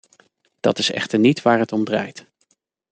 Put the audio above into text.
Dat is echter niet waar het om draait.